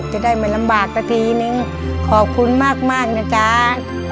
จะได้ไม่ลำบากสักทีนึงขอบคุณมากนะจ๊ะ